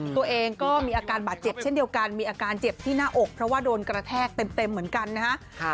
ตัวเองก็มีอาการบาดเจ็บเช่นเดียวกันมีอาการเจ็บที่หน้าอกเพราะว่าโดนกระแทกเต็มเหมือนกันนะฮะ